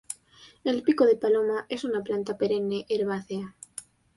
El pico de Paloma es una planta perenne herbácea.